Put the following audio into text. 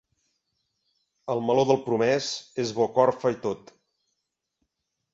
El meló del promès és bo corfa i tot.